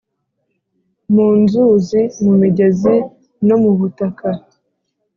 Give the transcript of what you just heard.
mu nzuzi, mu migezi, no mubutaka,